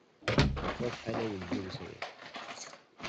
Ɣef wacḥal ay ileddey wesrir?